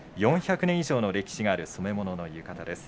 ４００年以上の歴史がある染物の浴衣です。